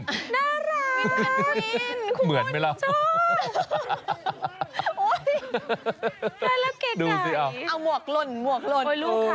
น่ารักคุณชอบดูซิเอาเอาหมวกลนหมวกลน